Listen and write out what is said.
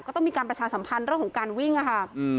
ก็ต้องมีการประชาสัมพันธ์เรื่องของการวิ่งค่ะ